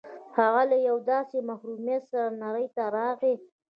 هغه له يوه داسې محروميت سره نړۍ ته راغی.